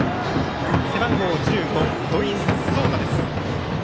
背番号１５、土居湊大です。